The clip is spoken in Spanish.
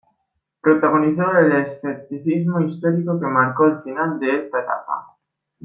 Protagonizó el escepticismo histórico que marcó el final de esta etapa.